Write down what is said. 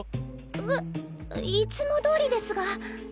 えっいつもどおりですが。